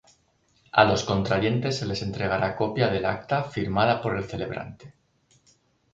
A los contrayentes se les entregará copia del acta firmada por el celebrante.